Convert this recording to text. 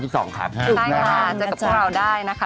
ใช่ค่ะเจอกับพวกเราได้นะคะ